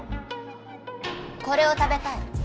これを食べたい。